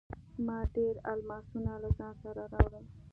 ما ډیر الماسونه له ځان سره راوړل.